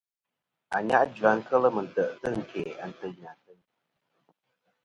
Anyajua kel mɨ tè'tɨ ɨn kæ anteynɨ ateyn.